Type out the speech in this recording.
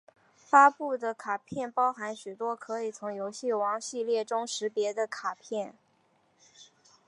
发布的卡片包含许多可以从游戏王系列中识别的卡片！